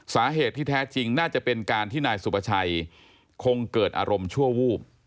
สาเหตุที่แท้จริงน่าจะเป็นการที่นายสุภาชัยคงเกิดอารมณ์ชั่ววูบ